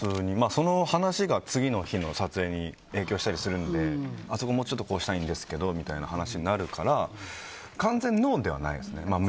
その話が次の日の撮影に影響したりするのであそこ、もうちょっとこうしたいんですけどみたいな話になるから完全ノーではないですね。